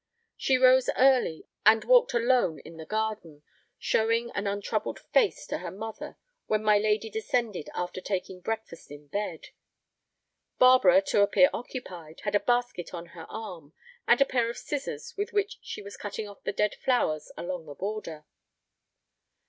She rose early, and walked alone in the garden, showing an untroubled face to her mother when my lady descended after taking breakfast in bed. Barbara, to appear occupied, had a basket on her arm, and a pair of scissors with which she was cutting off the dead flowers along the border.